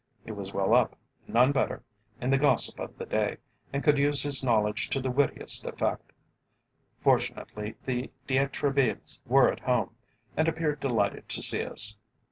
He was well up, none better, in the gossip of the day, and could use his knowledge to the wittiest effect. Fortunately, the D'Etrebilles were at home, and appeared delighted to see us.